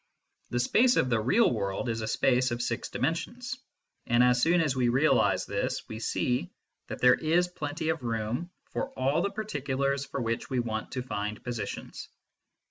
The space of the real world is a space of six dimensions, and as soon as we realise this we see that there is plenty of room for all the particulars for which we want to find positions.